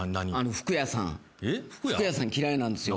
服屋さん嫌いなんですよ。